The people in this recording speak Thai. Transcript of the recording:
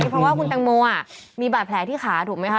เพราะว่าคุณแตงโมมีบาดแผลที่ขาถูกไหมคะ